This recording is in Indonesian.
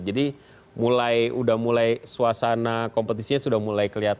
jadi mulai udah mulai suasana kompetisinya sudah mulai kelihatan